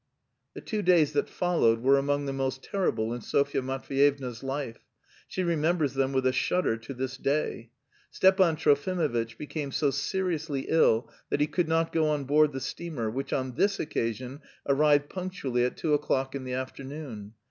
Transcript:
The two days that followed were among the most terrible in Sofya Matveyevna's life; she remembers them with a shudder to this day. Stepan Trofimovitch became so seriously ill that he could not go on board the steamer, which on this occasion arrived punctually at two o'clock in the afternoon.